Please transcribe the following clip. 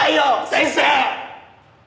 先生！